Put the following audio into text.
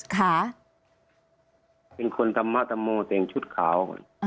ขาเป็นคนจำมาร์ตจำโมแต่แบบชุดขาวอ๋อ